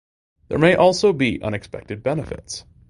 There may also be unexpected benefits.